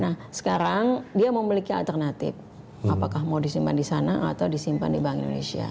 nah sekarang dia memiliki alternatif apakah mau disimpan di sana atau disimpan di bank indonesia